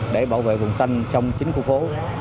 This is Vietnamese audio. để bảo vệ vùng xanh trong chính khu phố